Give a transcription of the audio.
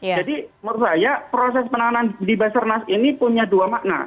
jadi menurut saya proses penanganan di basarnas ini punya dua makna